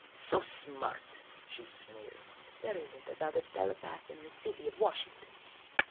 "So smart!" she sneered. "There isn't another telepath in the city of Washington!"